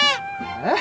えっ？